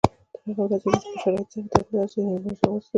تر هغې ورځې وروسته په شرایطو سره په عبادت ځایونو کې لمونځ جواز لري.